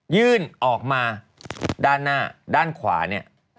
ยื่นออกมาด้านหน้าด้านขวาเนี่ย